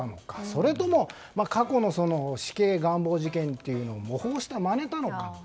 それとも、過去の死刑願望事件を模倣したのかまねたのか。